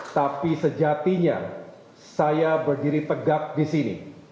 tapi sejatinya saya berdiri tegak disini